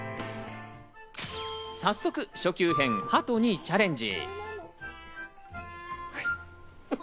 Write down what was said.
早速、初級編『鳩』にチャレンジ！